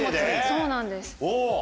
そうなんです。